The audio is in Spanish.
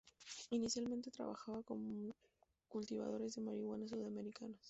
Inicialmente trabajaba con cultivadores de marihuana sudamericanos.